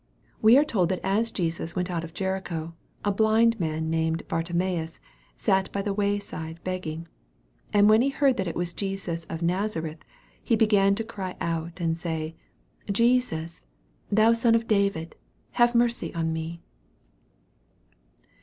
We are told that as Jesus went out of Jericho, a blind man named Bartimaeus " sat by the wayside begging. And when he heard that it was Jesus of Na zareth, he began to cry out, and say, Jesus, thou Son of David, have mercy on me."